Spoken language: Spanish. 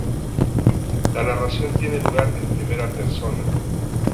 La narración tiene lugar en primera persona.